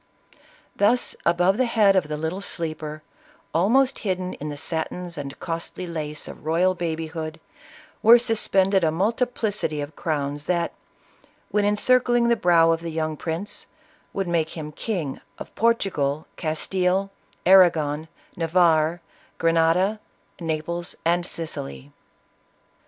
Thus above the head of the little sleeper, almost hid den in the satins and costly lace of royal babyhood, were suspended a multiplicity of crowns that, when encircling the brow of the young prince, would make him King of Portugal, Castile, Arragon, Navarre, Gre nada, Naples and Sicily.